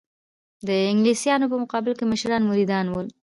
د انګلیسیانو په مقابل کې مشران مریدان ول.